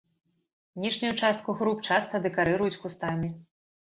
Ніжнюю частку груп часта дэкарыруюць кустамі.